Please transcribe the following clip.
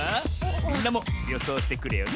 みんなもよそうしてくれよな